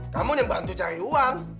kamu yang bantu cari uang